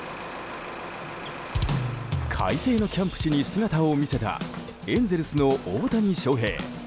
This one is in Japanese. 快晴のキャンプ地に姿を見せたエンゼルスの大谷翔平。